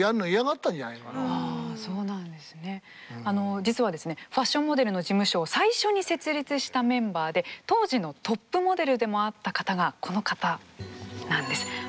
あの実はですねファッションモデルの事務所を最初に設立したメンバーで当時のトップモデルでもあった方がこの方なんです。